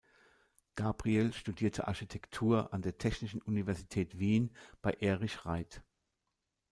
Gabriel studierte Architektur an der Technischen Universität Wien bei Erich Raith.